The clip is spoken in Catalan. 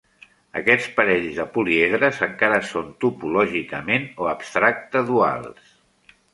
Aquests parells de políedres encara són topològicament o abstracta duals.